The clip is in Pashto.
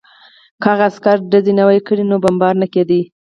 که هغه عسکر ډزې نه وای کړې نو بمبار نه کېده